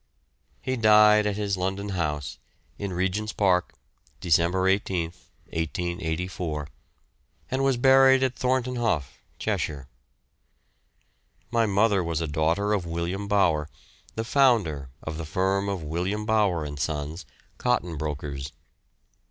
He died at his London house, in Regent's Park, December 18th, 1884, and was buried at Thornton Hough, Cheshire. My mother was a daughter of William Bower, the founder of the firm of William Bower and Sons, cotton brokers.